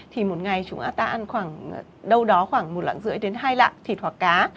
thì một ngày chúng ta ăn đâu đó khoảng một lạng rưỡi đến hai lạng thịt hoặc cá